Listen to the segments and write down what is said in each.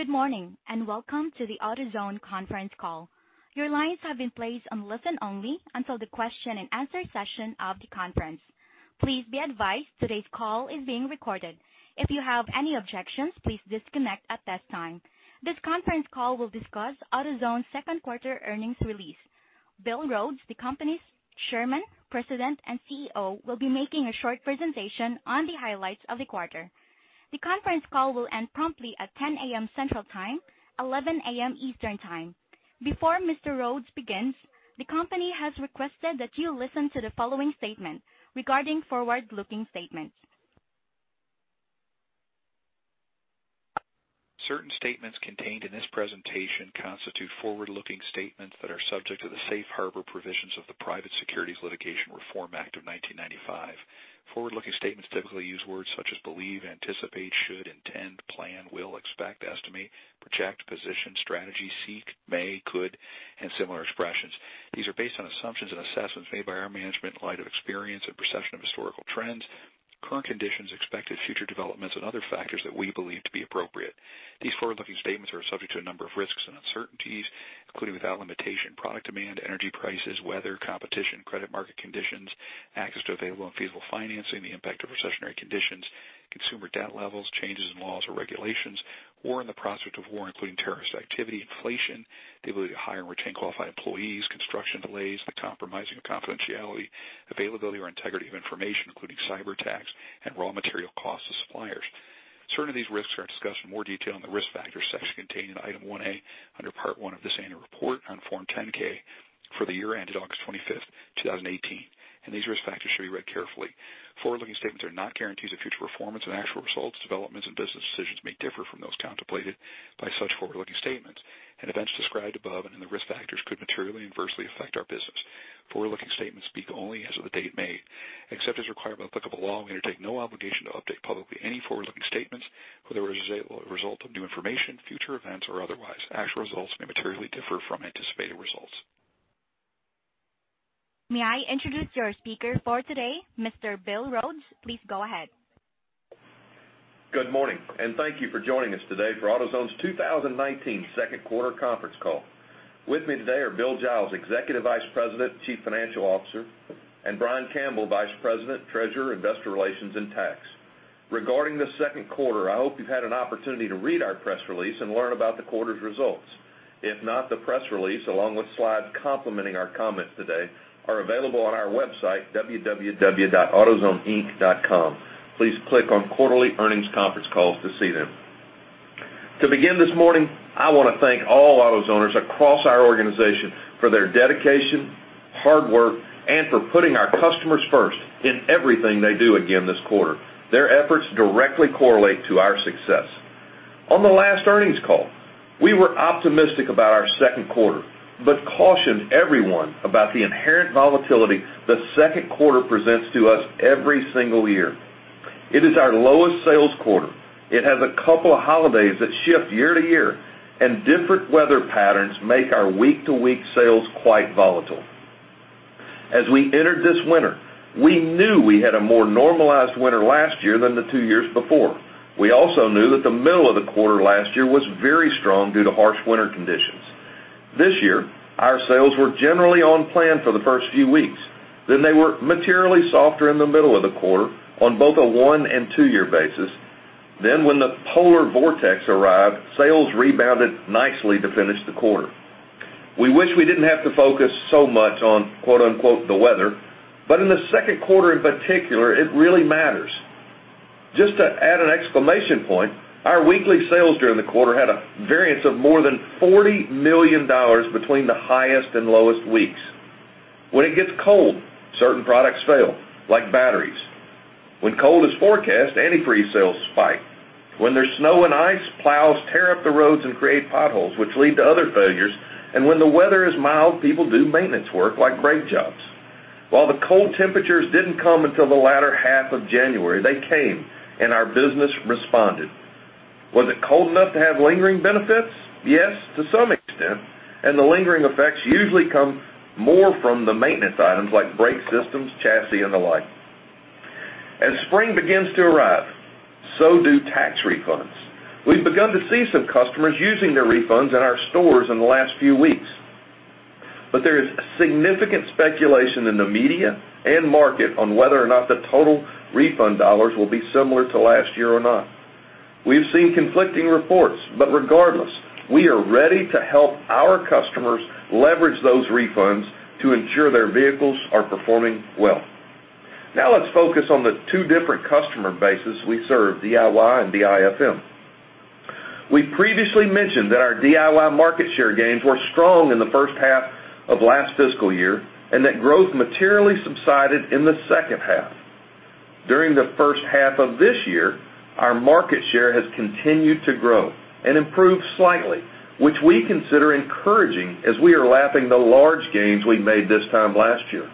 Good morning, welcome to the AutoZone conference call. Your lines have been placed on listen-only until the question and answer session of the conference. Please be advised today's call is being recorded. If you have any objections, please disconnect at this time. This conference call will discuss AutoZone's second quarter earnings release. Bill Rhodes, the company's Chairman, President, and CEO, will be making a short presentation on the highlights of the quarter. The conference call will end promptly at 10:00 A.M. Central Time, 11:00 A.M. Eastern Time. Before Mr. Rhodes begins, the company has requested that you listen to the following statement regarding forward-looking statements. Certain statements contained in this presentation constitute forward-looking statements that are subject to the safe harbor provisions of the Private Securities Litigation Reform Act of 1995. Forward-looking statements typically use words such as believe, anticipate, should, intend, plan, will, expect, estimate, project, position, strategy, seek, may, could, and similar expressions. These are based on assumptions and assessments made by our management in light of experience and perception of historical trends, current conditions, expected future developments, and other factors that we believe to be appropriate. These forward-looking statements are subject to a number of risks and uncertainties, including, without limitation, product demand, energy prices, weather, competition, credit market conditions, access to available and feasible financing, the impact of recessionary conditions, consumer debt levels, changes in laws or regulations, war or the prospect of war, including terrorist activity, inflation, the ability to hire and retain qualified employees, construction delays, the compromising of confidentiality, availability or integrity of information, including cyberattacks, and raw material costs of suppliers. Certain of these risks are discussed in more detail in the Risk Factors section contained in Item 1A under Part 1 of this annual report on Form 10-K for the year ended August 25th, 2018. These risk factors should be read carefully. Forward-looking statements are not guarantees of future performance, actual results, developments, and business decisions may differ from those contemplated by such forward-looking statements, events described above and in the risk factors could materially and adversely affect our business. Forward-looking statements speak only as of the date made. Except as required by applicable law, we undertake no obligation to update publicly any forward-looking statements, whether as a result of new information, future events, or otherwise. Actual results may materially differ from anticipated results. May I introduce your speaker for today, Mr. Bill Rhodes. Please go ahead. Good morning, and thank you for joining us today for AutoZone's 2019 second quarter conference call. With me today are Bill Giles, Executive Vice President, Chief Financial Officer, and Brian Campbell, Vice President, Treasurer, Investor Relations, and Tax. Regarding the second quarter, I hope you've had an opportunity to read our press release and learn about the quarter's results. If not, the press release, along with slides complementing our comments today, are available on our website, www.autozoneinc.com. Please click on Quarterly Earnings Conference Calls to see them. To begin this morning, I want to thank all AutoZoners across our organization for their dedication, hard work, and for putting our customers first in everything they do again this quarter. Their efforts directly correlate to our success. On the last earnings call, we were optimistic about our second quarter but cautioned everyone about the inherent volatility the second quarter presents to us every single year. It is our lowest sales quarter. It has a couple of holidays that shift year-to-year, and different weather patterns make our week-to-week sales quite volatile. As we entered this winter, we knew we had a more normalized winter last year than the two years before. We also knew that the middle of the quarter last year was very strong due to harsh winter conditions. This year, our sales were generally on plan for the first few weeks. They were materially softer in the middle of the quarter on both a one and two-year basis. When the polar vortex arrived, sales rebounded nicely to finish the quarter. We wish we didn't have to focus so much on "the weather," but in the second quarter in particular, it really matters. Just to add an exclamation point, our weekly sales during the quarter had a variance of more than $40 million between the highest and lowest weeks. When it gets cold, certain products fail, like batteries. When cold is forecast, antifreeze sales spike. When there's snow and ice, plows tear up the roads and create potholes, which lead to other failures. When the weather is mild, people do maintenance work like brake jobs. While the cold temperatures didn't come until the latter half of January, they came, and our business responded. Was it cold enough to have lingering benefits? Yes, to some extent, and the lingering effects usually come more from the maintenance items like brake systems, chassis, and the like. As spring begins to arrive, so do tax refunds. We've begun to see some customers using their refunds in our stores in the last few weeks. There is significant speculation in the media and market on whether or not the total refund dollars will be similar to last year or not. We've seen conflicting reports, but regardless, we are ready to help our customers leverage those refunds to ensure their vehicles are performing well. Let's focus on the two different customer bases we serve, DIY and DIFM. We previously mentioned that our DIY market share gains were strong in the first half of last fiscal year and that growth materially subsided in the second half. During the first half of this year, our market share has continued to grow and improved slightly, which we consider encouraging as we are lapping the large gains we made this time last year.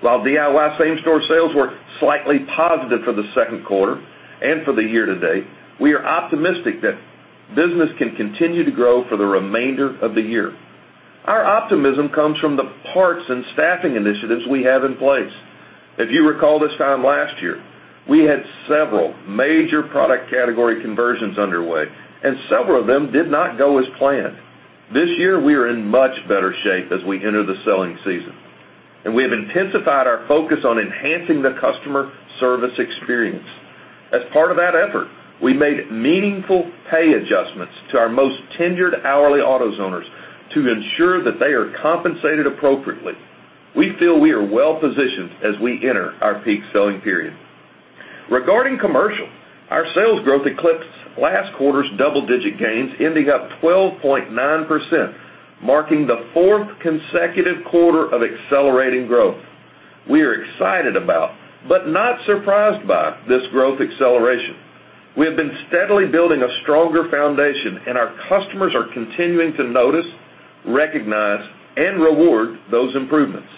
While DIY same-store sales were slightly positive for the second quarter and for the year to date, we are optimistic that business can continue to grow for the remainder of the year. Our optimism comes from the parts and staffing initiatives we have in place. If you recall this time last year, we had several major product category conversions underway, and several of them did not go as planned. This year, we are in much better shape as we enter the selling season, and we have intensified our focus on enhancing the customer service experience. As part of that effort, we made meaningful pay adjustments to our most tenured hourly AutoZoners to ensure that they are compensated appropriately. We feel we are well-positioned as we enter our peak selling period. Regarding commercial, our sales growth eclipsed last quarter's double-digit gains, ending up 12.9%, marking the fourth consecutive quarter of accelerating growth. We are excited about, but not surprised by, this growth acceleration. We have been steadily building a stronger foundation, and our customers are continuing to notice, recognize, and reward those improvements.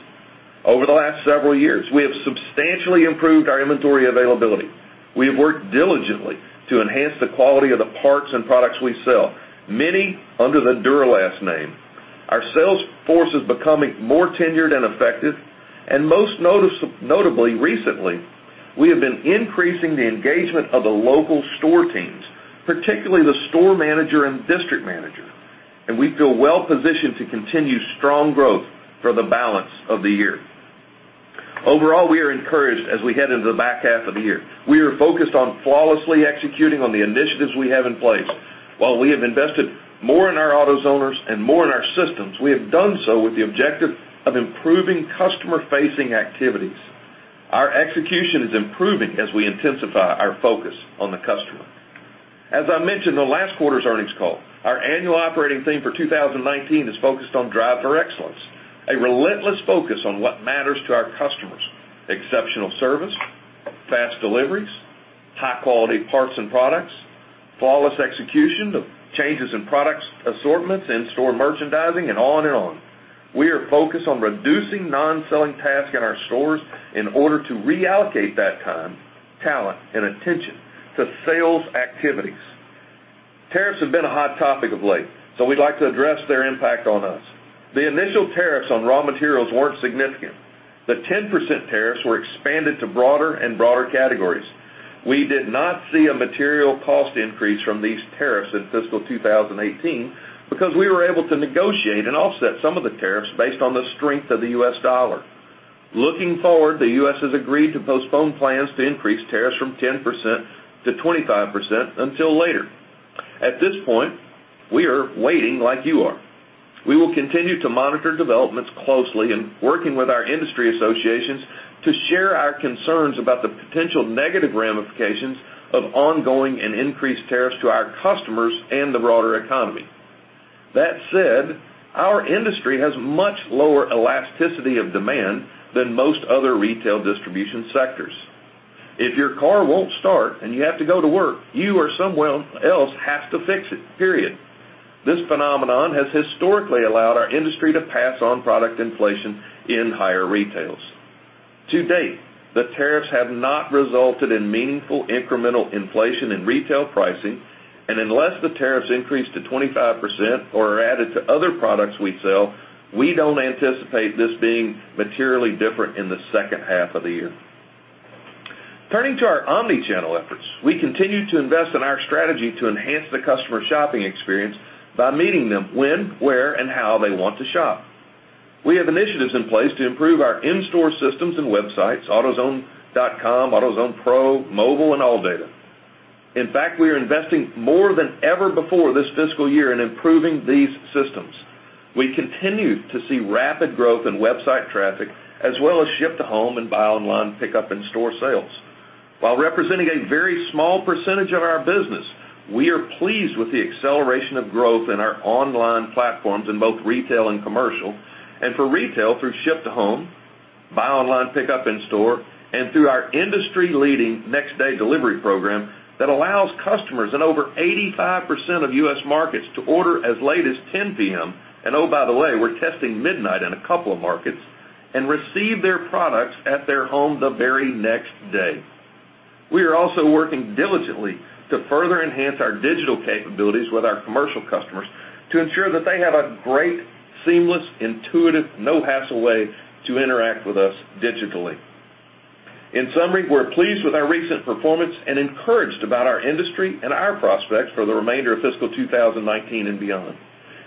Over the last several years, we have substantially improved our inventory availability. We have worked diligently to enhance the quality of the parts and products we sell, many under the Duralast name. Our sales force is becoming more tenured and effective, and most notably recently, we have been increasing the engagement of the local store teams, particularly the store manager and district manager. We feel well-positioned to continue strong growth for the balance of the year. Overall, we are encouraged as we head into the back half of the year. We are focused on flawlessly executing on the initiatives we have in place. While we have invested more in our AutoZoners and more in our systems, we have done so with the objective of improving customer-facing activities. Our execution is improving as we intensify our focus on the customer. As I mentioned on last quarter's earnings call, our annual operating theme for 2019 is focused on Drive for Excellence, a relentless focus on what matters to our customers, exceptional service, fast deliveries, high-quality parts and products, flawless execution of changes in product assortments, in-store merchandising, and on and on. We are focused on reducing non-selling tasks in our stores in order to reallocate that time, talent, and attention to sales activities. Tariffs have been a hot topic of late, so we'd like to address their impact on us. The initial tariffs on raw materials weren't significant. The 10% tariffs were expanded to broader and broader categories. We did not see a material cost increase from these tariffs in fiscal 2018 because we were able to negotiate and offset some of the tariffs based on the strength of the U.S. dollar. Looking forward, the U.S. has agreed to postpone plans to increase tariffs from 10% to 25% until later. At this point, we are waiting like you are. We will continue to monitor developments closely and working with our industry associations to share our concerns about the potential negative ramifications of ongoing and increased tariffs to our customers and the broader economy. That said, our industry has much lower elasticity of demand than most other retail distribution sectors. If your car won't start and you have to go to work, you or someone else has to fix it, period. This phenomenon has historically allowed our industry to pass on product inflation in higher retails. To date, the tariffs have not resulted in meaningful incremental inflation in retail pricing, and unless the tariffs increase to 25% or are added to other products we sell, we don't anticipate this being materially different in the second half of the year. Turning to our omnichannel efforts, we continue to invest in our strategy to enhance the customer shopping experience by meeting them when, where, and how they want to shop. We have initiatives in place to improve our in-store systems and websites, autozone.com, AutoZone Pro, mobile, and ALLDATA. In fact, we are investing more than ever before this fiscal year in improving these systems. We continue to see rapid growth in website traffic, as well as ship to home and buy online, pickup in store sales. While representing a very small percentage of our business, we are pleased with the acceleration of growth in our online platforms in both retail and commercial and for retail through ship to home, buy online, pickup in store, and through our industry-leading next day delivery program that allows customers in over 85% of U.S. markets to order as late as 10:00 P.M., and oh, by the way, we're testing midnight in a couple of markets, and receive their products at their home the very next day. We are also working diligently to further enhance our digital capabilities with our commercial customers to ensure that they have a great, seamless, intuitive, no-hassle way to interact with us digitally. In summary, we're pleased with our recent performance and encouraged about our industry and our prospects for the remainder of fiscal 2019 and beyond.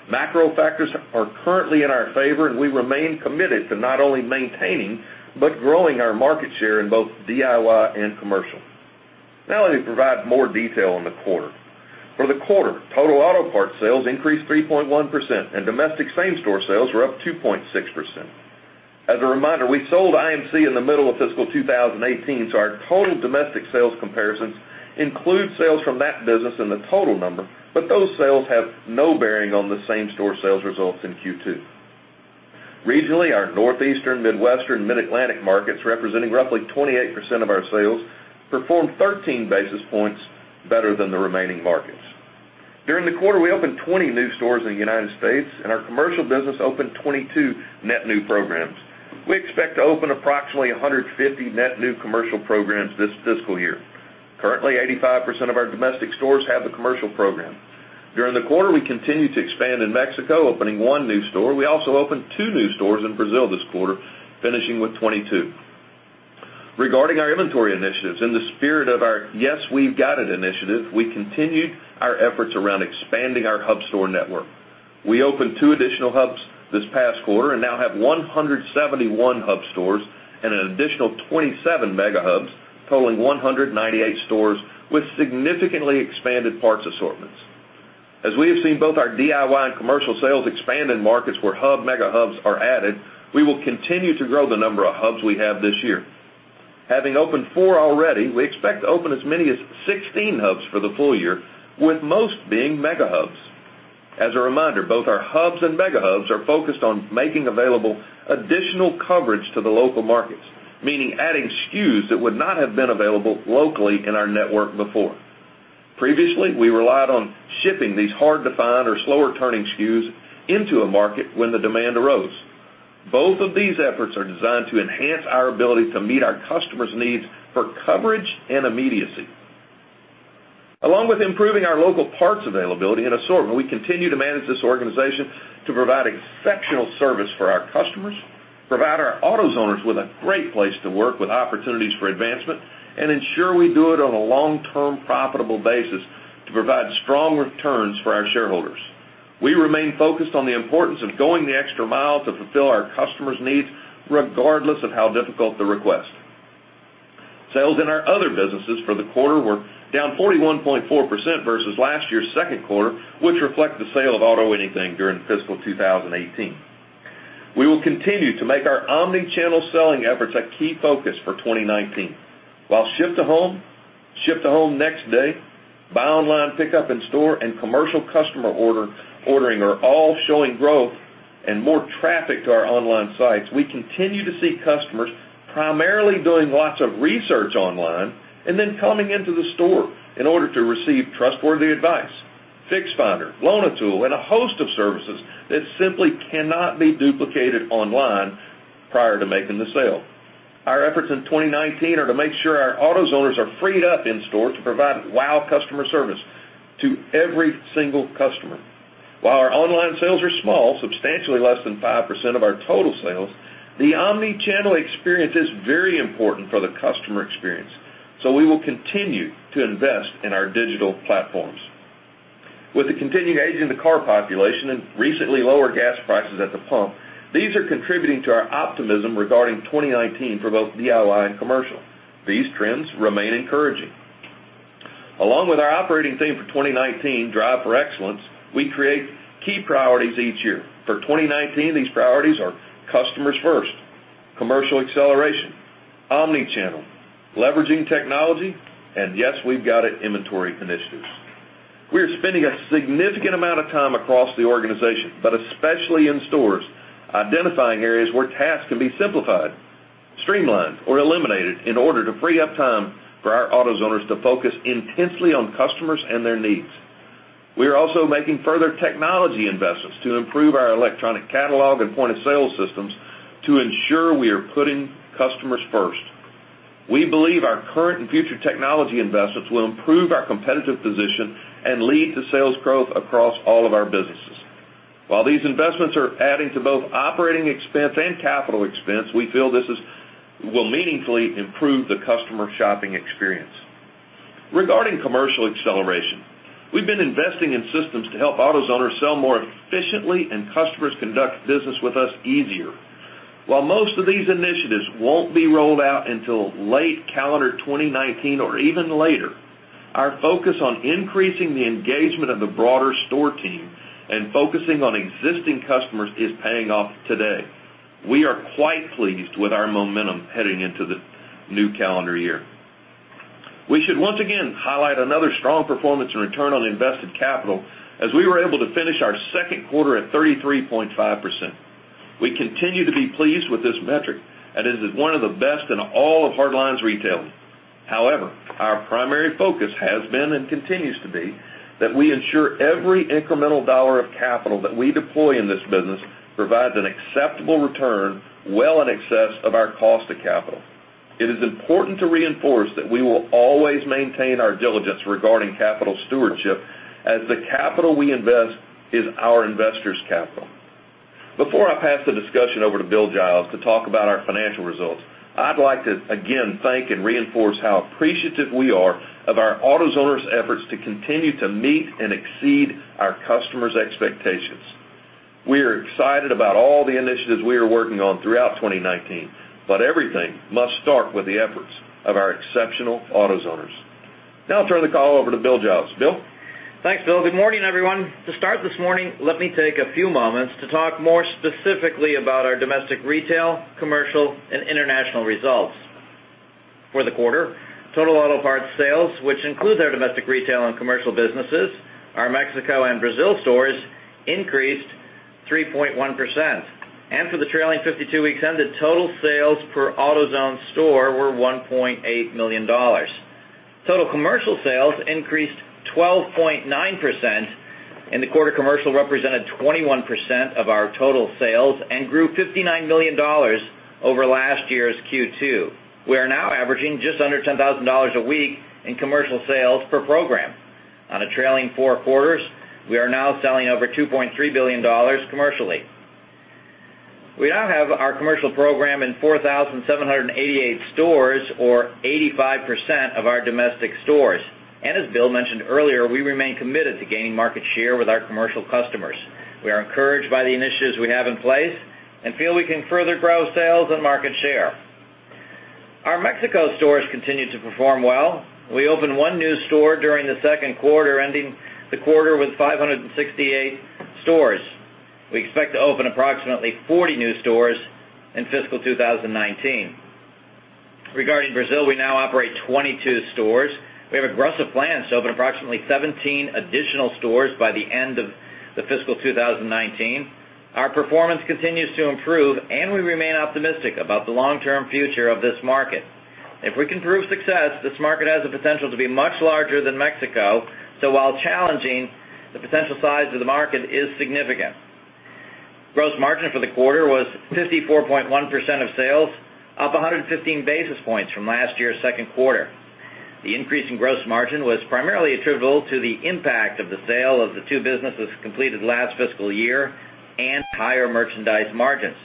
Macro factors are currently in our favor, and we remain committed to not only maintaining but growing our market share in both DIY and commercial. Now let me provide more detail on the quarter. For the quarter, total auto parts sales increased 3.1%, and domestic same-store sales were up 2.6%. As a reminder, we sold IMC in the middle of fiscal 2018, so our total domestic sales comparisons include sales from that business in the total number, but those sales have no bearing on the same-store sales results in Q2. Regionally, our Northeastern, Midwestern, Mid-Atlantic markets, representing roughly 28% of our sales, performed 13 basis points better than the remaining markets. During the quarter, we opened 20 new stores in the U.S. Our commercial business opened 22 net new programs. We expect to open approximately 150 net new commercial programs this fiscal year. Currently, 85% of our domestic stores have the commercial program. During the quarter, we continued to expand in Mexico, opening one new store. We also opened two new stores in Brazil this quarter, finishing with 22. Regarding our inventory initiatives, in the spirit of our Yes, We've Got It initiative, we continued our efforts around expanding our hub store network. We opened two additional hubs this past quarter and now have 171 hub stores and an additional 27 mega hubs, totaling 198 stores with significantly expanded parts assortments. As we have seen both our DIY and commercial sales expand in markets where hub mega hubs are added, we will continue to grow the number of hubs we have this year. Having opened four already, we expect to open as many as 16 hubs for the full year, with most being mega hubs. As a reminder, both our hubs and mega hubs are focused on making available additional coverage to the local markets, meaning adding SKUs that would not have been available locally in our network before. Previously, we relied on shipping these hard-to-find or slower-turning SKUs into a market when the demand arose. Both of these efforts are designed to enhance our ability to meet our customers' needs for coverage and immediacy. Along with improving our local parts availability and assortment, we continue to manage this organization to provide exceptional service for our customers, provide our AutoZoners with a great place to work with opportunities for advancement, and ensure we do it on a long-term profitable basis to provide strong returns for our shareholders. We remain focused on the importance of going the extra mile to fulfill our customers' needs, regardless of how difficult the request. Sales in our other businesses for the quarter were down 41.4% versus last year's second quarter, which reflect the sale of AutoAnything during fiscal 2018. We will continue to make our omni-channel selling efforts a key focus for 2019. While ship to home, ship to home next day, buy online, pickup in store, and commercial customer ordering are all showing growth and more traffic to our online sites, we continue to see customers primarily doing lots of research online and then coming into the store in order to receive trustworthy advice, Fix Finder, Loan-A-Tool, and a host of services that simply cannot be duplicated online prior to making the sale. Our efforts in 2019 are to make sure our AutoZoners are freed up in store to provide wow customer service to every single customer. While our online sales are small, substantially less than 5% of our total sales, the omni-channel experience is very important for the customer experience. We will continue to invest in our digital platforms. With the continued aging of the car population and recently lower gas prices at the pump, these are contributing to our optimism regarding 2019 for both DIY and commercial. These trends remain encouraging. Along with our operating theme for 2019, Drive for Excellence, we create key priorities each year. For 2019, these priorities are customers first, commercial acceleration, omni-channel, leveraging technology, and Yes, We've Got It inventory initiatives. We are spending a significant amount of time across the organization, but especially in stores, identifying areas where tasks can be simplified, streamlined, or eliminated in order to free up time for our AutoZoners to focus intensely on customers and their needs. We are also making further technology investments to improve our electronic catalog and point-of-sale systems to ensure we are putting customers first. We believe our current and future technology investments will improve our competitive position and lead to sales growth across all of our businesses. While these investments are adding to both operating expense and capital expense, we feel this will meaningfully improve the customer shopping experience. Regarding commercial acceleration, we've been investing in systems to help AutoZoners sell more efficiently and customers conduct business with us easier. While most of these initiatives won't be rolled out until late calendar 2019 or even later, our focus on increasing the engagement of the broader store team and focusing on existing customers is paying off today. We are quite pleased with our momentum heading into the new calendar year. We should once again highlight another strong performance in return on invested capital as we were able to finish our second quarter at 33.5%. We continue to be pleased with this metric. It is one of the best in all of hard lines retailing. Our primary focus has been and continues to be that we ensure every incremental dollar of capital that we deploy in this business provides an acceptable return well in excess of our cost of capital. It is important to reinforce that we will always maintain our diligence regarding capital stewardship as the capital we invest is our investors' capital. Before I pass the discussion over to Bill Giles to talk about our financial results, I'd like to again thank and reinforce how appreciative we are of our AutoZoners' efforts to continue to meet and exceed our customers' expectations. We are excited about all the initiatives we are working on throughout 2019. Everything must start with the efforts of our exceptional AutoZoners. I'll turn the call over to Bill Giles. Bill? Thanks, Bill. Good morning, everyone. To start this morning, let me take a few moments to talk more specifically about our domestic retail, commercial, and international results. For the quarter, total auto parts sales, which includes our domestic retail and commercial businesses, our Mexico and Brazil stores increased 3.1%. For the trailing 52 weeks ended, total sales per AutoZone store were $1.8 million. Total commercial sales increased 12.9%. In the quarter, commercial represented 21% of our total sales and grew $59 million over last year's Q2. We are now averaging just under $10,000 a week in commercial sales per program. On a trailing four quarters, we are now selling over $2.3 billion commercially. We now have our commercial program in 4,788 stores, or 85% of our domestic stores. As Bill mentioned earlier, we remain committed to gaining market share with our commercial customers. We are encouraged by the initiatives we have in place and feel we can further grow sales and market share. Our Mexico stores continue to perform well. We opened one new store during the second quarter, ending the quarter with 568 stores. We expect to open approximately 40 new stores in fiscal 2019. Regarding Brazil, we now operate 22 stores. We have aggressive plans to open approximately 17 additional stores by the end of the fiscal 2019. Our performance continues to improve, and we remain optimistic about the long-term future of this market. If we can prove success, this market has the potential to be much larger than Mexico, so while challenging, the potential size of the market is significant. Gross margin for the quarter was 54.1% of sales, up 115 basis points from last year's second quarter. The increase in gross margin was primarily attributable to the impact of the sale of the two businesses completed last fiscal year and higher merchandise margins.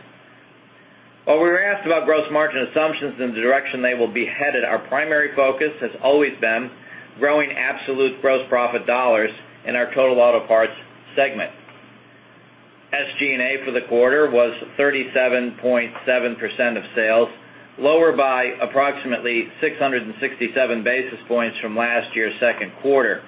While we were asked about gross margin assumptions and the direction they will be headed, our primary focus has always been growing absolute gross profit dollars in our total Auto Parts segment. SG&A for the quarter was 37.7% of sales, lower by approximately 667 basis points from last year's second quarter.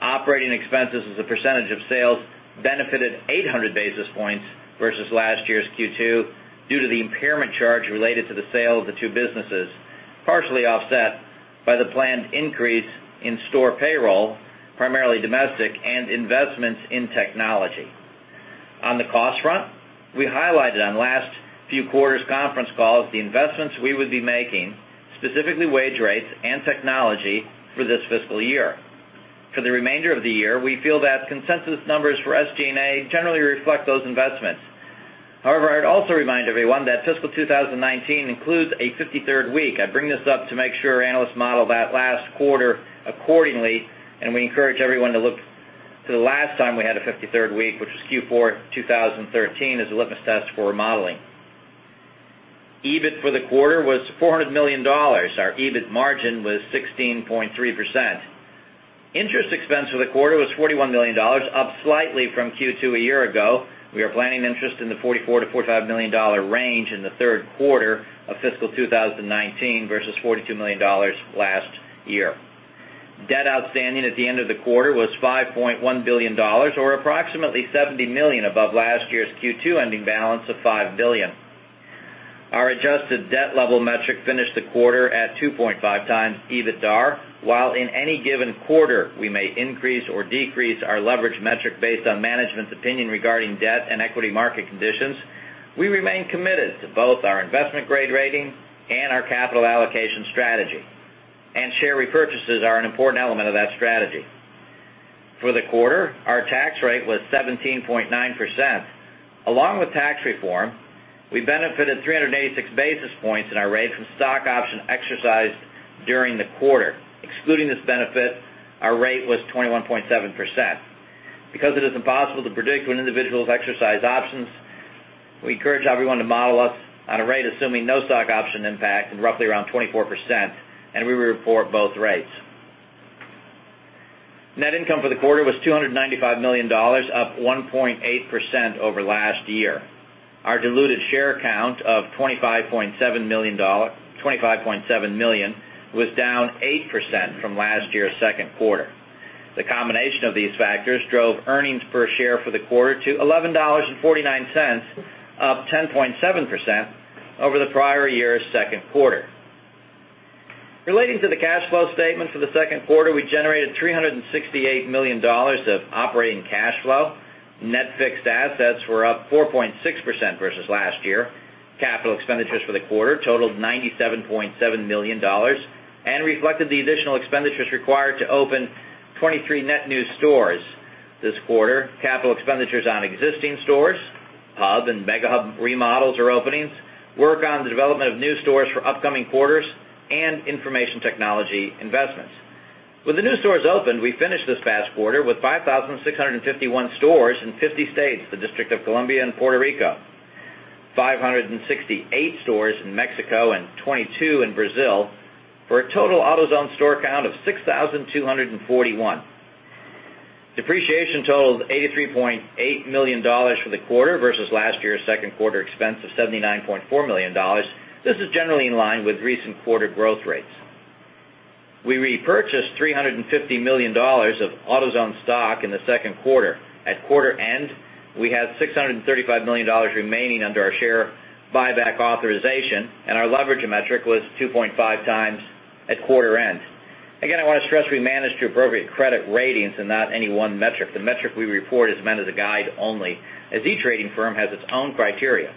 Operating expenses as a percentage of sales benefited 800 basis points versus last year's Q2 due to the impairment charge related to the sale of the two businesses, partially offset by the planned increase in store payroll, primarily domestic, and investments in technology. On the cost front, we highlighted on the last few quarters' conference calls the investments we would be making, specifically wage rates and technology, for this fiscal year. For the remainder of the year, we feel that consensus numbers for SG&A generally reflect those investments. However, I'd also remind everyone that fiscal 2019 includes a 53rd week. I bring this up to make sure our analysts model that last quarter accordingly, and we encourage everyone to look to the last time we had a 53rd week, which was Q4 2013, as a litmus test for modeling. EBIT for the quarter was $400 million. Our EBIT margin was 16.3%. Interest expense for the quarter was $41 million, up slightly from Q2 a year ago. We are planning interest in the $44 million-$45 million range in the third quarter of fiscal 2019 versus $42 million last year. Debt outstanding at the end of the quarter was $5.1 billion, or approximately $70 million above last year's Q2 ending balance of $5 billion. Our adjusted debt level metric finished the quarter at 2.5 times EBITDAR. While in any given quarter we may increase or decrease our leverage metric based on management's opinion regarding debt and equity market conditions, we remain committed to both our investment-grade rating and our capital allocation strategy. Share repurchases are an important element of that strategy. For the quarter, our tax rate was 17.9%. Along with tax reform, we benefited 386 basis points in our rate from stock option exercise during the quarter. Excluding this benefit, our rate was 21.7%. Because it is impossible to predict when individuals exercise options, we encourage everyone to model us on a rate assuming no stock option impact and roughly around 24%, and we report both rates. Net income for the quarter was $295 million, up 1.8% over last year. Our diluted share count of 25.7 million was down 8% from last year's second quarter. The combination of these factors drove earnings per share for the quarter to $11.49, up 10.7% over the prior year's second quarter. Relating to the cash flow statement for the second quarter, we generated $368 million of operating cash flow. Net fixed assets were up 4.6% versus last year. Capital expenditures for the quarter totaled $97.7 million and reflected the additional expenditures required to open 23 net new stores this quarter. Capital expenditures on existing stores, hub and mega hub remodels or openings, work on the development of new stores for upcoming quarters, and information technology investments. With the new stores open, we finished this past quarter with 5,651 stores in 50 states, the District of Columbia, and Puerto Rico, 568 stores in Mexico, and 22 in Brazil, for a total AutoZone store count of 6,241. Depreciation totaled $83.8 million for the quarter versus last year's second quarter expense of $79.4 million. This is generally in line with recent quarter growth rates. We repurchased $350 million of AutoZone stock in the second quarter. At quarter end, we had $635 million remaining under our share buyback authorization, and our leverage metric was 2.5 times at quarter end. I want to stress we manage to appropriate credit ratings and not any one metric. The metric we report is meant as a guide only, as each rating firm has its own criteria.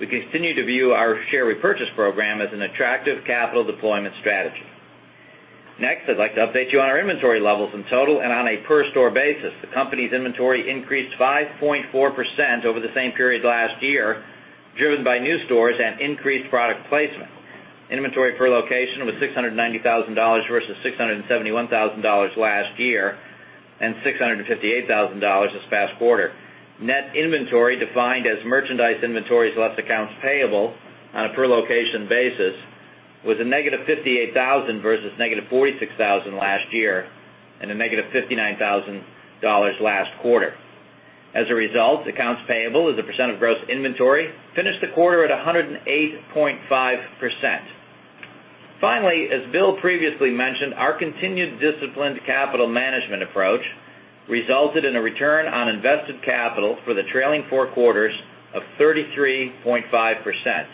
We continue to view our share repurchase program as an attractive capital deployment strategy. Next, I'd like to update you on our inventory levels in total and on a per store basis. The company's inventory increased 5.4% over the same period last year, driven by new stores and increased product placement. Inventory per location was $690,000 versus $671,000 last year, and $658,000 this past quarter. Net inventory defined as merchandise inventories less accounts payable on a per location basis was a negative $58,000 versus negative $46,000 last year and a negative $59,000 last quarter. As a result, accounts payable as a percent of gross inventory finished the quarter at 108.5%. Finally, as Bill previously mentioned, our continued disciplined capital management approach resulted in a return on invested capital for the trailing four quarters of 33.5%.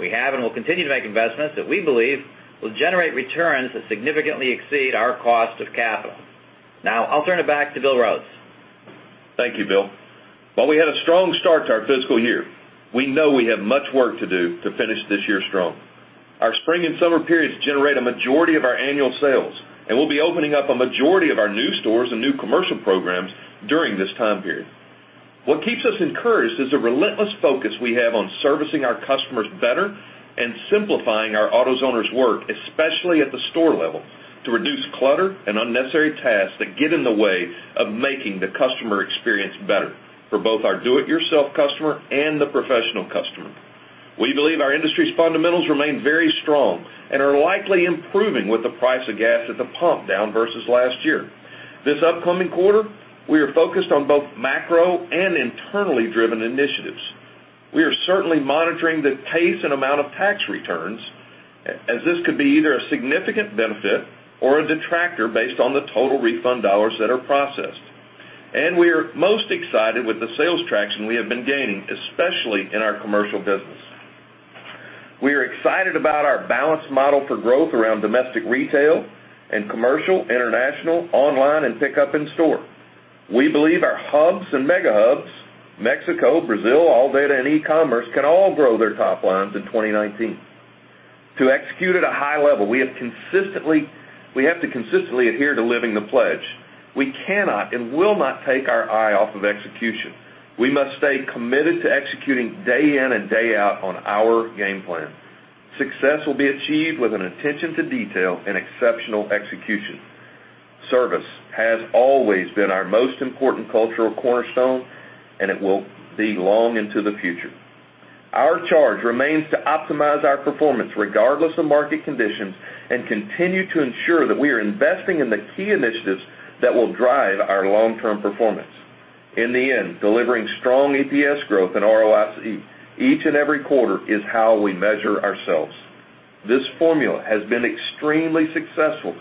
We have and will continue to make investments that we believe will generate returns that significantly exceed our cost of capital. Now I'll turn it back to Bill Rhodes. Thank you, Bill. While we had a strong start to our fiscal year, we know we have much work to do to finish this year strong. Our spring and summer periods generate a majority of our annual sales. We'll be opening up a majority of our new stores and new commercial programs during this time period. What keeps us encouraged is the relentless focus we have on servicing our customers better and simplifying our AutoZoners' work, especially at the store level, to reduce clutter and unnecessary tasks that get in the way of making the customer experience better for both our do-it-yourself customer and the professional customer. We believe our industry's fundamentals remain very strong and are likely improving with the price of gas at the pump down versus last year. This upcoming quarter, we are focused on both macro and internally driven initiatives. We are certainly monitoring the pace and amount of tax returns, as this could be either a significant benefit or a detractor based on the total refund dollars that are processed. We are most excited with the sales traction we have been gaining, especially in our commercial business. We are excited about our balanced model for growth around domestic, retail, and commercial, international, online, and pickup in store. We believe our hubs and mega hubs, Mexico, Brazil, ALLDATA, and e-commerce, can all grow their top lines in 2019. To execute at a high level, we have to consistently adhere to living the pledge. We cannot and will not take our eye off of execution. We must stay committed to executing day in and day out on our game plan. Success will be achieved with an attention to detail and exceptional execution. Service has always been our most important cultural cornerstone. It will be long into the future. Our charge remains to optimize our performance regardless of market conditions and continue to ensure that we are investing in the key initiatives that will drive our long-term performance. In the end, delivering strong EPS growth and ROIC each and every quarter is how we measure ourselves. This formula has been extremely successful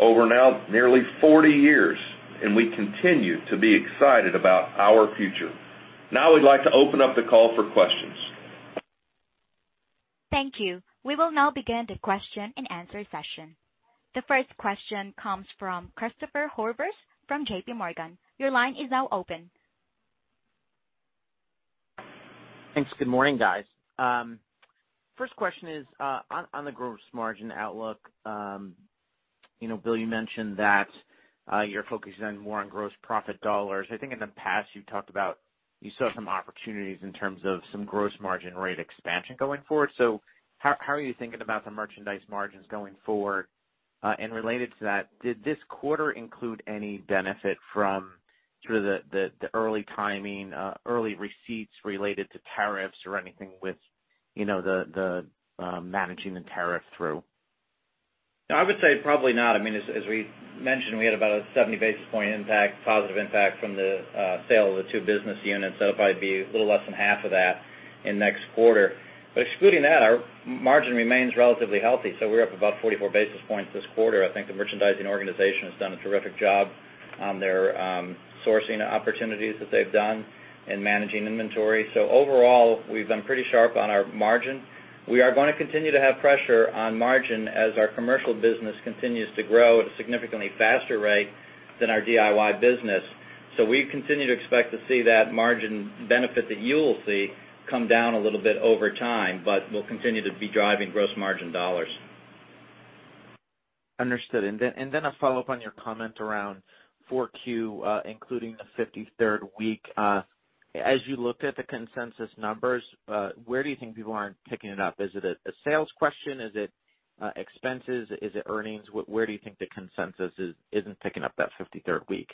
over now nearly 40 years. We continue to be excited about our future. Now we'd like to open up the call for questions. Thank you. We will now begin the question and answer session. The first question comes from Christopher Horvers from JPMorgan. Your line is now open. Thanks. Good morning, guys. First question is on the gross margin outlook. Bill, you mentioned that you're focusing more on gross profit dollars. I think in the past, you talked about you saw some opportunities in terms of some gross margin rate expansion going forward. How are you thinking about the merchandise margins going forward? Related to that, did this quarter include any benefit from sort of the early timing, early receipts related to tariffs or anything with the managing the tariff through? I would say probably not. As we mentioned, we had about a 70 basis point positive impact from the sale of the two business units. It'll probably be a little less than half of that in next quarter. Excluding that, our margin remains relatively healthy. We're up about 44 basis points this quarter. I think the merchandising organization has done a terrific job on their sourcing opportunities that they've done in managing inventory. Overall, we've done pretty sharp on our margin. We are going to continue to have pressure on margin as our commercial business continues to grow at a significantly faster rate than our DIY business. We continue to expect to see that margin benefit that you will see come down a little bit over time, but we'll continue to be driving gross margin dollars. Understood. Then a follow-up on your comment around Q4, including the 53rd week. As you looked at the consensus numbers, where do you think people aren't picking it up? Is it a sales question? Is it expenses? Is it earnings? Where do you think the consensus isn't picking up that 53rd week?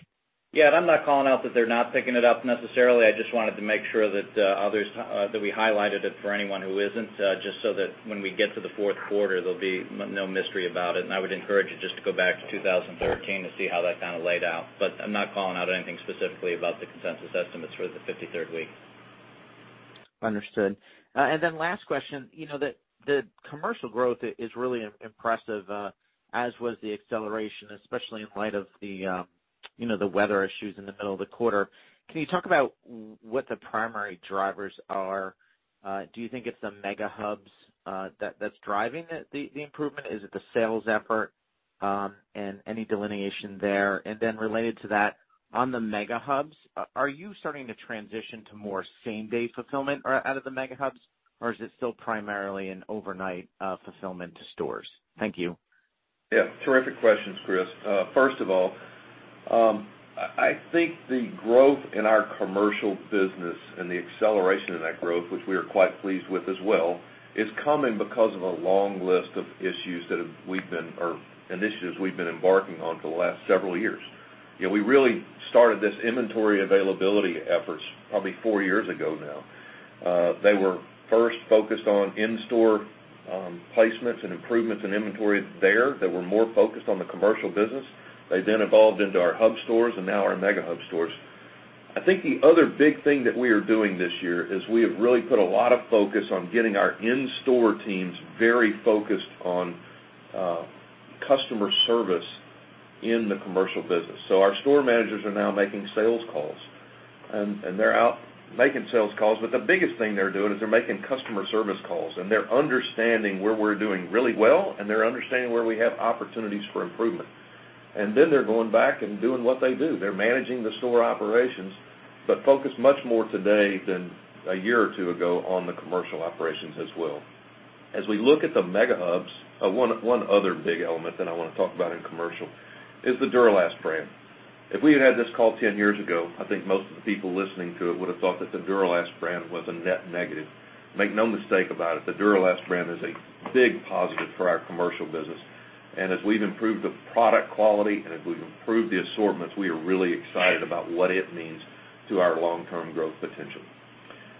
I'm not calling out that they're not picking it up necessarily. I just wanted to make sure that we highlighted it for anyone who isn't, just so that when we get to the fourth quarter, there'll be no mystery about it. I would encourage you just to go back to 2014 to see how that kind of laid out. I'm not calling out anything specifically about the consensus estimates for the 53rd week. Understood. Last question. The commercial growth is really impressive, as was the acceleration, especially in light of the weather issues in the middle of the quarter. Can you talk about what the primary drivers are? Do you think it's the mega hubs that's driving the improvement? Is it the sales effort? Any delineation there. Related to that, on the mega hubs, are you starting to transition to more same-day fulfillment out of the mega hubs, or is it still primarily an overnight fulfillment to stores? Thank you. Terrific questions, Chris. First of all, I think the growth in our commercial business and the acceleration of that growth, which we are quite pleased with as well, is coming because of a long list of issues that we've been embarking on for the last several years. We really started this inventory availability efforts probably four years ago now. They were first focused on in-store placements and improvements in inventory there that were more focused on the commercial business. They then evolved into our hub stores and now our mega hub stores. I think the other big thing that we are doing this year is we have really put a lot of focus on getting our in-store teams very focused on customer service in the commercial business. Our store managers are now making sales calls, they're out making sales calls, but the biggest thing they're doing is they're making customer service calls, they're understanding where we're doing really well, they're understanding where we have opportunities for improvement. They're going back and doing what they do. They're managing the store operations, but focused much more today than a year or two ago on the commercial operations as well. As we look at the mega hubs, one other big element that I want to talk about in commercial is the Duralast brand. If we had had this call 10 years ago, I think most of the people listening to it would have thought that the Duralast brand was a net negative. Make no mistake about it, the Duralast brand is a big positive for our commercial business. As we've improved the product quality and as we've improved the assortments, we are really excited about what it means to our long-term growth potential.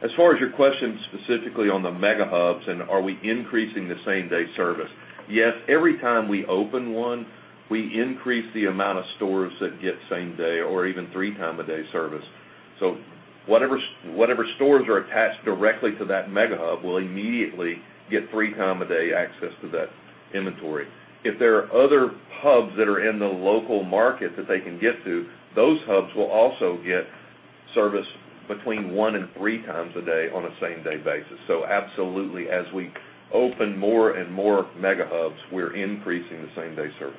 As far as your question specifically on the mega hubs and are we increasing the same-day service, yes, every time we open one, we increase the amount of stores that get same-day or even 3-time-a-day service. Whatever stores are attached directly to that mega hub will immediately get 3-time-a-day access to that inventory. If there are other hubs that are in the local market that they can get to, those hubs will also get service between 1 and 3 times a day on a same-day basis. Absolutely, as we open more and more mega hubs, we're increasing the same-day service.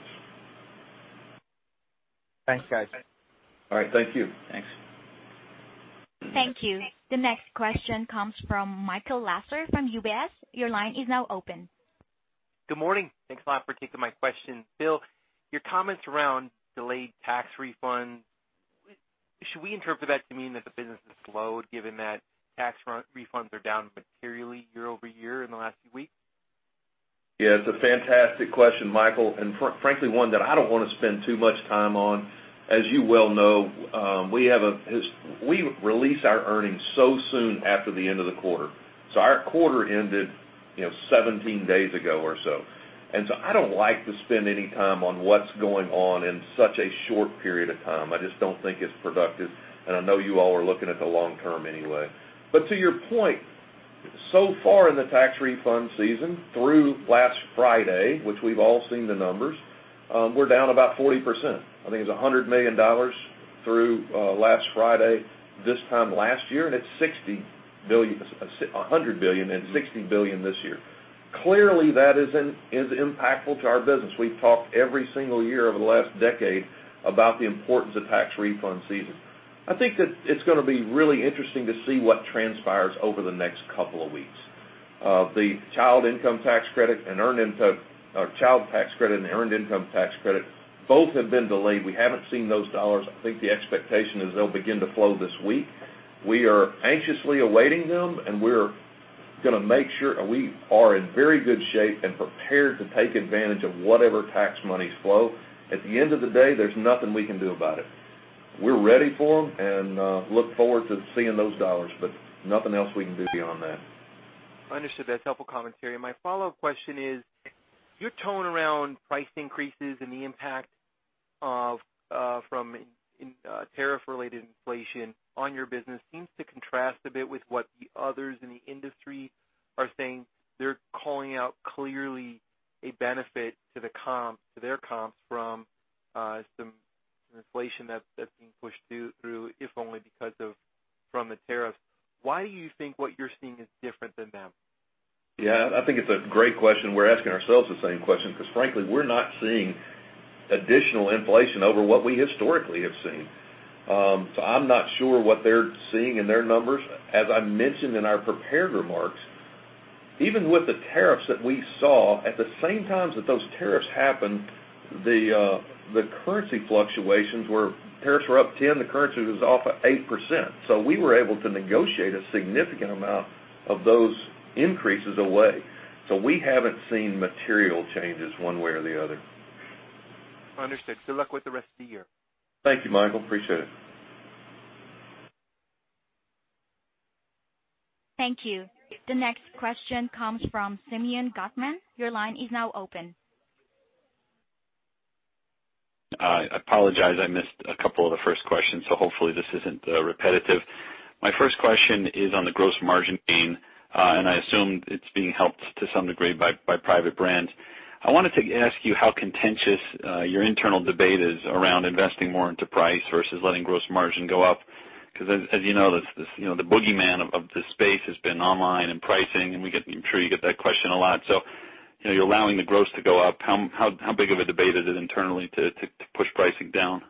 Thanks, guys. All right. Thank you. Thanks. Thank you. The next question comes from Michael Lasser from UBS. Your line is now open. Good morning. Thanks a lot for taking my question. Bill, your comments around delayed tax refunds, should we interpret that to mean that the business is slowed given that tax refunds are down materially year-over-year in the last few weeks? Yeah. It's a fantastic question, Michael, and frankly, one that I don't want to spend too much time on. As you well know, we release our earnings so soon after the end of the quarter. Our quarter ended 17 days ago or so. I don't like to spend any time on what's going on in such a short period of time. I just don't think it's productive, and I know you all are looking at the long term anyway. To your point, so far in the tax refund season, through last Friday, which we've all seen the numbers, we're down about 40%. I think it's $100 million through last Friday this time last year, and it's $100 billion and $60 billion this year. Clearly, that is impactful to our business. We've talked every single year over the last decade about the importance of tax refund season. I think that it's going to be really interesting to see what transpires over the next couple of weeks. The Child Income Tax Credit and Child Tax Credit and Earned Income Tax Credit, both have been delayed. We haven't seen those dollars. I think the expectation is they'll begin to flow this week. We are anxiously awaiting them, and we're going to make sure we are in very good shape and prepared to take advantage of whatever tax monies flow. At the end of the day, there's nothing we can do about it. We're ready for them and look forward to seeing those dollars, nothing else we can do beyond that. Understood. That's helpful commentary. My follow-up question is, your tone around price increases and the impact from tariff-related inflation on your business seems to contrast a bit with what the others in the industry are saying. They're calling out clearly a benefit to their comps from some inflation that's being pushed through, if only because of from the tariffs. Why do you think what you're seeing is different than them? Yeah. I think it's a great question. We're asking ourselves the same question because frankly, we're not seeing additional inflation over what we historically have seen. I'm not sure what they're seeing in their numbers. As I mentioned in our prepared remarks, even with the tariffs that we saw, at the same times that those tariffs happened, tariffs were up 10%, the currency was off 8%. We were able to negotiate a significant amount of those increases away. We haven't seen material changes one way or the other. Understood. Good luck with the rest of the year. Thank you, Michael. Appreciate it. Thank you. The next question comes from Simeon Gutman. Your line is now open. I apologize. I missed a couple of the first questions, so hopefully this isn't repetitive. My first question is on the gross margin gain, and I assume it's being helped to some degree by private brands. I wanted to ask you how contentious your internal debate is around investing more into price versus letting gross margin go up. As you know, the boogeyman of this space has been online and pricing, and I'm sure you get that question a lot. You're allowing the gross to go up. How big of a debate is it internally to push pricing down?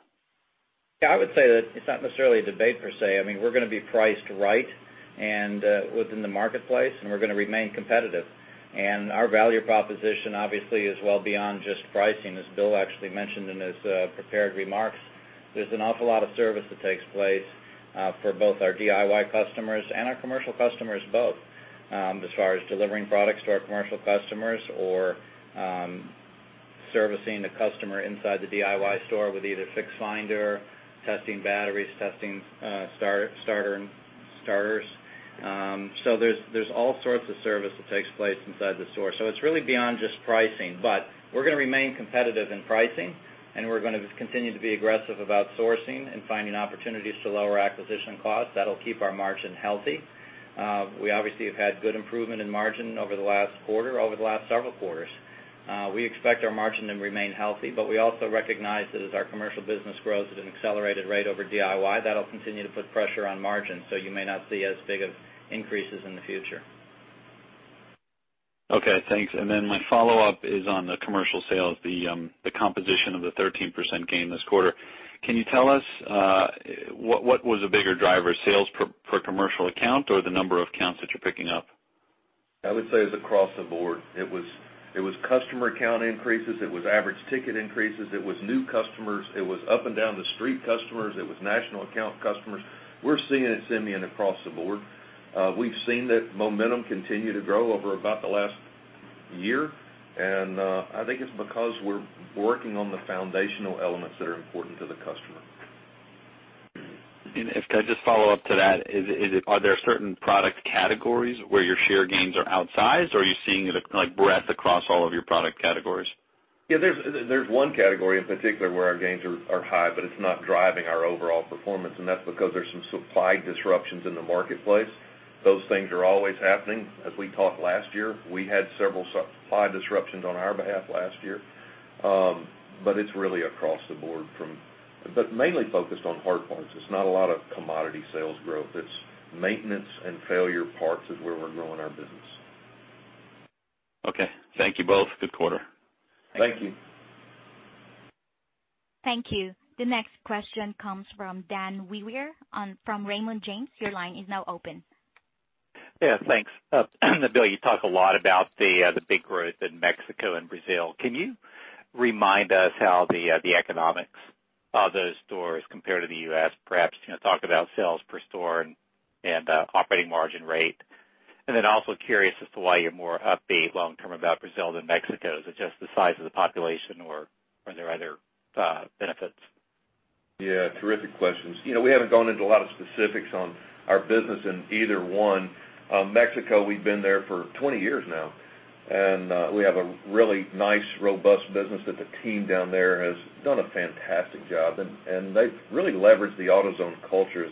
I would say that it's not necessarily a debate per se. We're going to be priced right within the marketplace, and we're going to remain competitive. Our value proposition obviously is well beyond just pricing. As Bill actually mentioned in his prepared remarks, there's an awful lot of service that takes place for both our DIY customers and our commercial customers both, as far as delivering products to our commercial customers or servicing the customer inside the DIY store with either Fix Finder, testing batteries, testing starters. There's all sorts of service that takes place inside the store. It's really beyond just pricing. We're going to remain competitive in pricing, and we're going to continue to be aggressive about sourcing and finding opportunities to lower acquisition costs that'll keep our margin healthy. We obviously have had good improvement in margin over the last quarter, over the last several quarters. We expect our margin to remain healthy, but we also recognize that as our commercial business grows at an accelerated rate over DIY, that'll continue to put pressure on margins. You may not see as big of increases in the future. Okay, thanks. My follow-up is on the commercial sales, the composition of the 13% gain this quarter. Can you tell us what was the bigger driver, sales per commercial account or the number of accounts that you're picking up? I would say it's across the board. It was customer account increases. It was average ticket increases. It was new customers. It was up and down the street customers. It was national account customers. We're seeing it, Simeon, across the board. We've seen that momentum continue to grow over about the last year. I think it's because we're working on the foundational elements that are important to the customer. If I can just follow up to that, are there certain product categories where your share gains are outsized, or are you seeing it breadth across all of your product categories? Yeah, there's one category in particular where our gains are high, it's not driving our overall performance, that's because there's some supply disruptions in the marketplace. Those things are always happening. As we talked last year, we had several supply disruptions on our behalf last year. It's really across the board, but mainly focused on hard parts. It's not a lot of commodity sales growth. It's maintenance and failure parts is where we're growing our business. Okay. Thank you both. Good quarter. Thank you. Thank you. Thank you. The next question comes from Dan Wewer from Raymond James. Your line is now open. Yeah, thanks. Bill, you talk a lot about the big growth in Mexico and Brazil. Can you remind us how the economics of those stores compare to the U.S., perhaps talk about sales per store and operating margin rate? Also curious as to why you're more upbeat long term about Brazil than Mexico. Is it just the size of the population, or are there other benefits? Yeah, terrific questions. We haven't gone into a lot of specifics on our business in either one. Mexico, we've been there for 20 years now, and we have a really nice, robust business that the team down there has done a fantastic job, and they've really leveraged the AutoZone culture.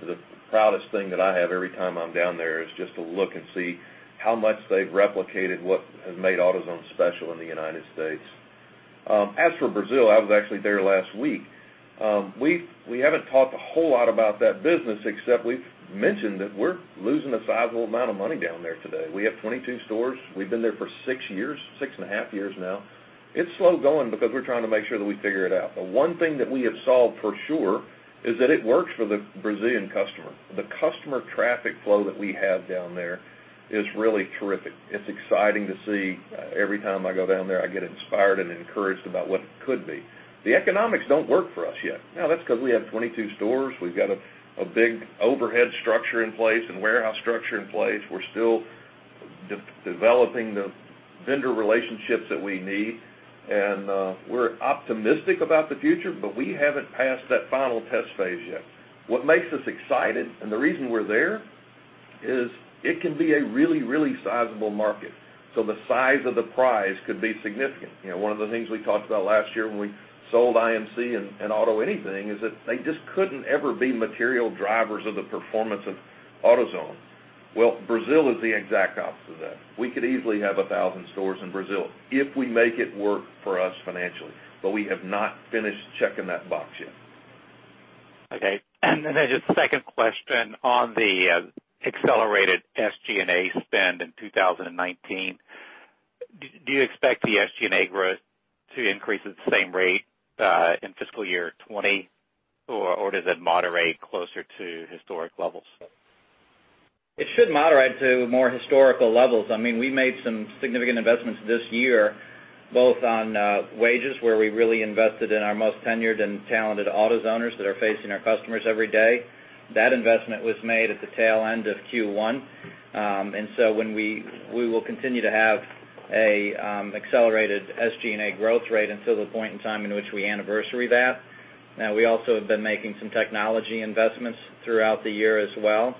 The proudest thing that I have every time I'm down there is just to look and see how much they've replicated what has made AutoZone special in the United States. As for Brazil, I was actually there last week. We haven't talked a whole lot about that business except we've mentioned that we're losing a sizable amount of money down there today. We have 22 stores. We've been there for six and a half years now. It's slow going because we're trying to make sure that we figure it out. The one thing that we have solved for sure is that it works for the Brazilian customer. The customer traffic flow that we have down there is really terrific. It's exciting to see. Every time I go down there, I get inspired and encouraged about what it could be. The economics don't work for us yet. Now, that's because we have 22 stores. We've got a big overhead structure in place and warehouse structure in place. We're still developing the vendor relationships that we need, and we're optimistic about the future, but we haven't passed that final test phase yet. What makes us excited and the reason we're there is it can be a really sizable market. The size of the prize could be significant. One of the things we talked about last year when we sold IMC and AutoAnything is that they just couldn't ever be material drivers of the performance of AutoZone. Well, Brazil is the exact opposite of that. We could easily have 1,000 stores in Brazil if we make it work for us financially. We have not finished checking that box yet. Okay. Just second question on the accelerated SG&A spend in 2019. Do you expect the SG&A growth to increase at the same rate in fiscal year 2020, or does it moderate closer to historic levels? It should moderate to more historical levels. We made some significant investments this year, both on wages, where we really invested in our most tenured and talented AutoZoners that are facing our customers every day. That investment was made at the tail end of Q1. We will continue to have an accelerated SG&A growth rate until the point in time in which we anniversary that. We also have been making some technology investments throughout the year as well.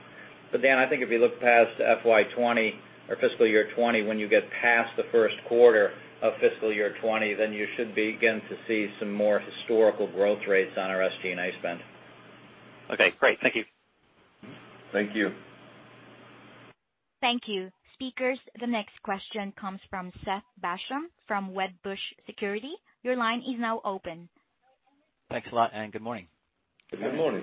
Dan, I think if you look past FY 2020 or fiscal year 2020, when you get past the first quarter of fiscal year 2020, you should begin to see some more historical growth rates on our SG&A spend. Okay, great. Thank you. Thank you. Thank you. Speakers, the next question comes from Seth Basham from Wedbush Securities. Your line is now open. Thanks a lot, good morning. Good morning.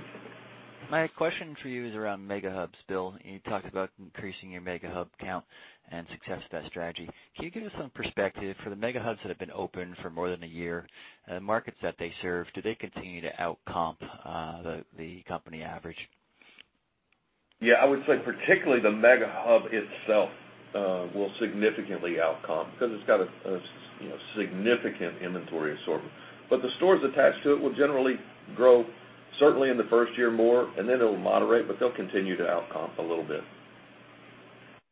My question for you is around Mega Hubs, Bill. You talked about increasing your Mega Hub count and success of that strategy. Can you give us some perspective for the Mega Hubs that have been open for more than a year, the markets that they serve, do they continue to outcomp the company average? Yeah, I would say particularly the Mega Hub itself will significantly outcomp because it's got a significant inventory assortment. The stores attached to it will generally grow, certainly in the first year more, and then it'll moderate, but they'll continue to outcomp a little bit.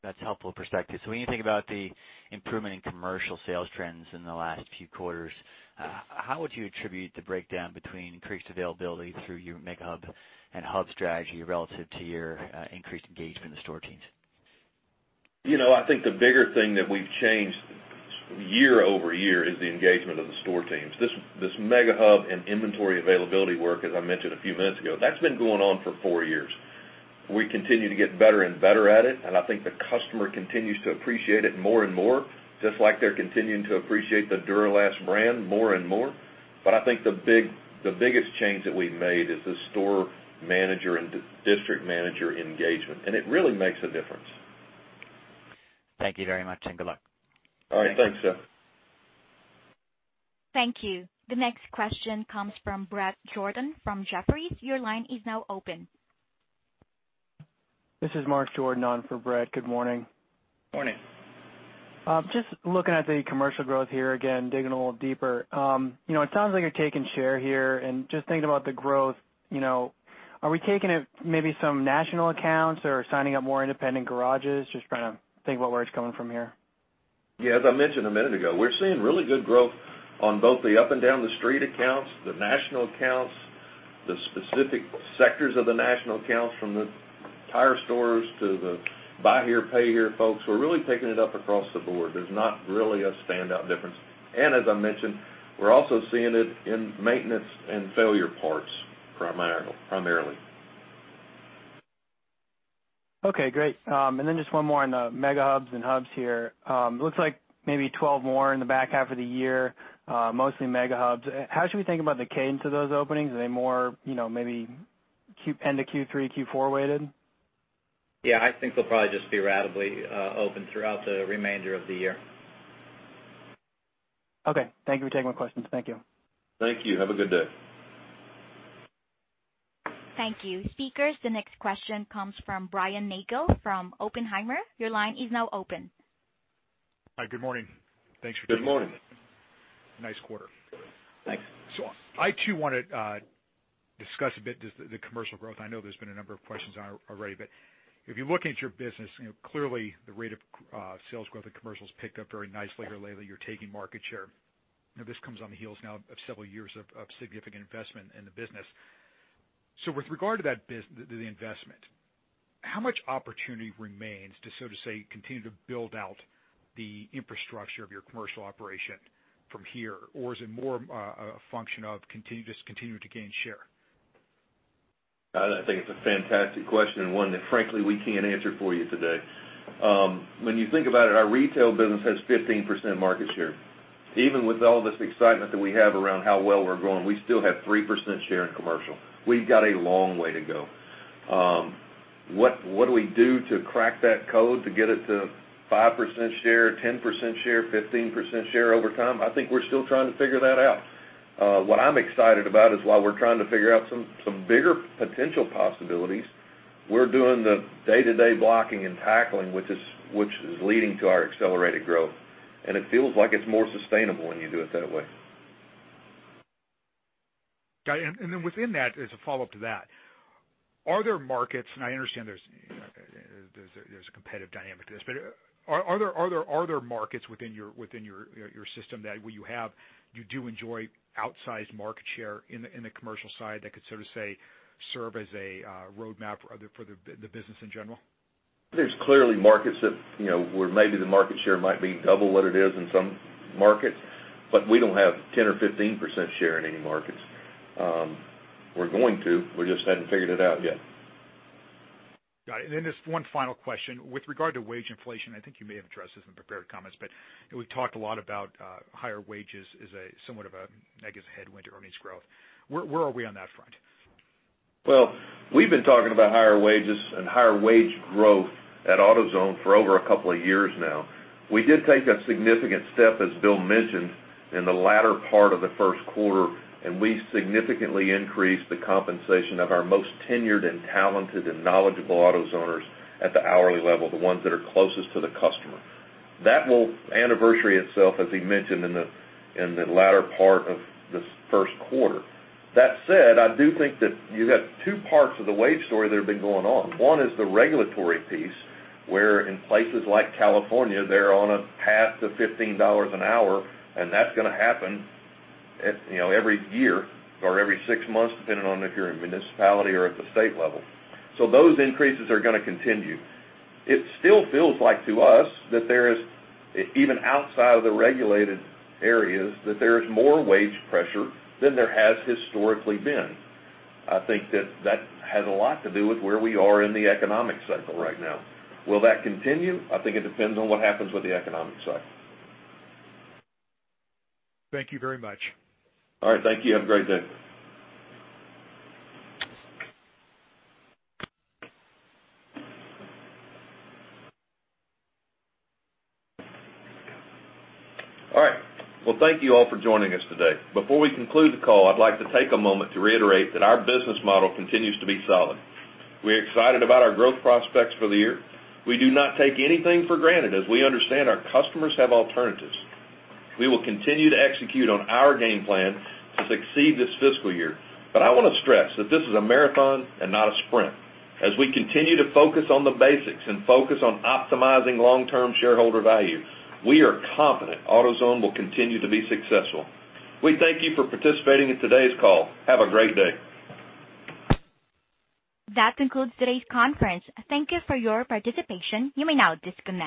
That's helpful perspective. When you think about the improvement in commercial sales trends in the last few quarters, how would you attribute the breakdown between increased availability through your Mega Hub and Hub strategy relative to your increased engagement of the store teams? I think the bigger thing that we've changed year-over-year is the engagement of the store teams. This Mega Hub and inventory availability work, as I mentioned a few minutes ago, that's been going on for four years. We continue to get better and better at it, and I think the customer continues to appreciate it more and more, just like they're continuing to appreciate the Duralast brand more and more. I think the biggest change that we've made is the store manager and district manager engagement. It really makes a difference. Thank you very much, and good luck. All right. Thanks, Seth. Thank you. The next question comes from Bret Jordan from Jefferies. Your line is now open. This is Mark Jordan on for Bret. Good morning. Morning. Just looking at the commercial growth here again, digging a little deeper. It sounds like you're taking share here and just thinking about the growth, are we taking maybe some national accounts or signing up more independent garages? Just trying to think about where it's coming from here. Yeah, as I mentioned a minute ago, we're seeing really good growth on both the up and down the street accounts, the national accounts, the specific sectors of the national accounts, from the tire stores to the buy here, pay here folks. We're really taking it up across the board. There's not really a standout difference. As I mentioned, we're also seeing it in maintenance and failure parts primarily. Okay, great. Just one more on the Mega Hubs and Hubs here. Looks like maybe 12 more in the back half of the year, mostly Mega Hubs. How should we think about the cadence of those openings? Are they more maybe end of Q3, Q4 weighted? Yeah, I think they'll probably just be ratably opened throughout the remainder of the year. Okay. Thank you for taking my questions. Thank you. Thank you. Have a good day. Thank you. Speakers, the next question comes from Brian Nagel from Oppenheimer. Your line is now open. Hi, good morning. Thanks for taking my call. Good morning. Nice quarter. Thanks. I too want to discuss a bit just the commercial growth. I know there's been a number of questions on it already, but if you're looking at your business, clearly the rate of sales growth in commercial's picked up very nicely lately. You're taking market share. This comes on the heels now of several years of significant investment in the business. With regard to the investment, how much opportunity remains to, so to say, continue to build out the infrastructure of your commercial operation from here? Or is it more a function of just continue to gain share? I think it's a fantastic question and one that frankly we can't answer for you today. When you think about it, our retail business has 15% market share. Even with all this excitement that we have around how well we're growing, we still have 3% share in commercial. We've got a long way to go. What do we do to crack that code to get it to 5% share, 10% share, 15% share over time? I think we're still trying to figure that out. What I'm excited about is while we're trying to figure out some bigger potential possibilities, we're doing the day-to-day blocking and tackling, which is leading to our accelerated growth, and it feels like it's more sustainable when you do it that way. Got it. Within that, as a follow-up to that, are there markets, and I understand there's a competitive dynamic to this, but are there markets within your system that you do enjoy outsized market share in the commercial side that could, so to say, serve as a roadmap for the business in general? There's clearly markets where maybe the market share might be double what it is in some markets. We don't have 10 or 15% share in any markets. We just haven't figured it out yet. Got it. Just one final question. With regard to wage inflation, I think you may have addressed this in prepared comments, but we've talked a lot about higher wages is somewhat of a negative headwind to earnings growth. Where are we on that front? Well, we've been talking about higher wages and higher wage growth at AutoZone for over a couple of years now. We did take a significant step, as Bill mentioned, in the latter part of the first quarter, we significantly increased the compensation of our most tenured and talented and knowledgeable AutoZoners at the hourly level, the ones that are closest to the customer. That will anniversary itself, as he mentioned, in the latter part of this first quarter. That said, I do think that you have two parts of the wage story that have been going on. One is the regulatory piece, where in places like California, they're on a path to $15 an hour, and that's going to happen every year or every six months, depending on if you're a municipality or at the state level. Those increases are going to continue. It still feels like to us that there is, even outside of the regulated areas, that there is more wage pressure than there has historically been. I think that that has a lot to do with where we are in the economic cycle right now. Will that continue? I think it depends on what happens with the economic cycle. Thank you very much. All right. Thank you. Have a great day. All right. Well, thank you all for joining us today. Before we conclude the call, I'd like to take a moment to reiterate that our business model continues to be solid. We're excited about our growth prospects for the year. We do not take anything for granted, as we understand our customers have alternatives. We will continue to execute on our game plan to succeed this fiscal year. I want to stress that this is a marathon and not a sprint. As we continue to focus on the basics and focus on optimizing long-term shareholder value, we are confident AutoZone will continue to be successful. We thank you for participating in today's call. Have a great day. That concludes today's conference. Thank you for your participation. You may now disconnect.